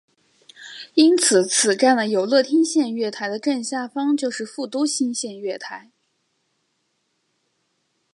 因此此站的有乐町线月台的正下方就是副都心线月台。